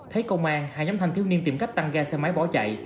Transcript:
thấy công an hai nhóm thanh thiếu niên tìm cách tăng ga xe máy bỏ chạy